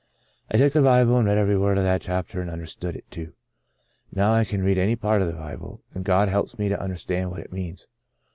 I took the Bible and read every word of that chapter and understood it, too. Now I can read any part of the Bible, and God helps me to understand what it means.